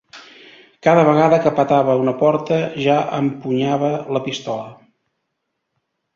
Cada vegada que petava una porta ja empunyava la pistola